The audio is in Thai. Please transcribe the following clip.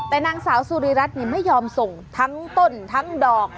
แต่นางสาวสุริรัตน์ไม่ยอมส่งทั้งต้นทั้งดอก